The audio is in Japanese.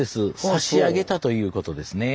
差し上げたということですね。